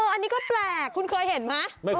อันนี้ก็แปลกคุณเคยเห็นไหม